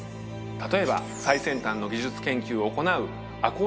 例えば最先端の技術研究を行う。